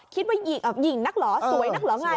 คิดว่าหญิงนักเหรอสวยนักเหรอไง